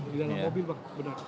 di dalam mobil pak